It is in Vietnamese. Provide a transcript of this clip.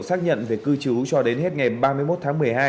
xác nhận về cư trú cho đến hết ngày ba mươi một tháng một mươi hai